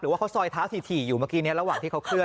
ว่าเขาซอยเท้าถี่อยู่เมื่อกี้นี้ระหว่างที่เขาเคลื